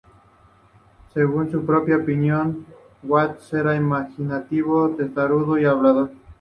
Según su propia opinión, Watts era imaginativo, testarudo, y hablador.